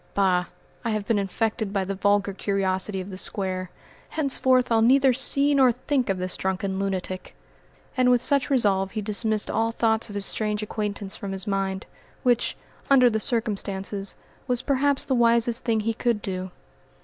Bah! I have been infected by the vulgar curiosity of the Square. Henceforth I'll neither see nor think of this drunken lunatic," and with such resolve he dismissed all thoughts of his strange acquaintance from his mind, which, under the circumstances, was perhaps the wisest thing he could do.